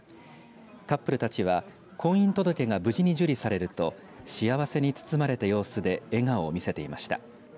カップルたちは婚姻届が無事に受理されると幸せに包まれた様子で笑顔を見せていました。